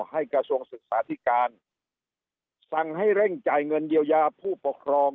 กระทรวงศึกษาธิการสั่งให้เร่งจ่ายเงินเยียวยาผู้ปกครอง